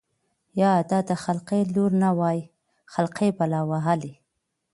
يا دا د خلقي لـور نه وای خـلقۍ بلا وهـلې.